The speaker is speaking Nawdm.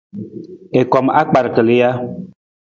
I kom akpar kali ja?